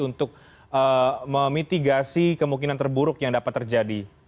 untuk memitigasi kemungkinan terburuk yang dapat terjadi